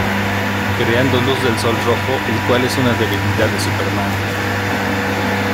Creando luz de sol rojo, el cual es una debilidad de Superman.